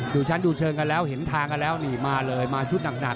ดูชั้นดูเชิงกันแล้วเห็นทางกันแล้วนี่มาเลยมาชุดหนัก